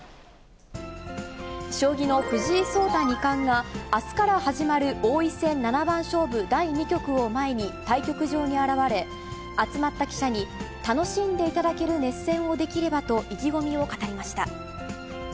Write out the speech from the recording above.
将棋の藤井聡太二冠が、あすから始まる王位戦七番勝負第２局を前に、対局場に現れ、集まった記者に楽しんでいただける熱戦をできればと意気込みを語りました。